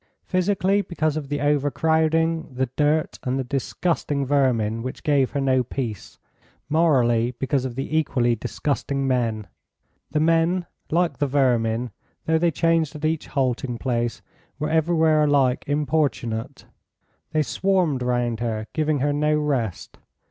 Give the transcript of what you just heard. Physically, because of the overcrowding, the dirt, and the disgusting vermin, which gave her no peace; morally, because of the equally disgusting men. The men, like the vermin, though they changed at each halting place, were everywhere alike importunate; they swarmed round her, giving her no rest.